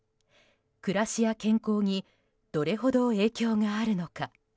暮らしや健康にどれほど影響があるのか。